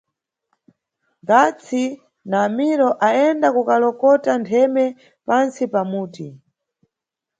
Gatsi na Amiro ayenda kukalokota ntheme pantsi pa muti.